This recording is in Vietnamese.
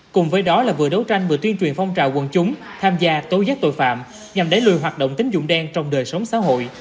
cùng với đó là vừa đấu tranh vừa tuyên truyền phong trào quân chúng tham gia tố giác tội phạm nhằm đẩy lùi hoạt động tính dụng đen trong đời sống xã hội